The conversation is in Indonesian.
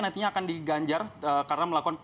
nantinya akan diganjar karena melakukan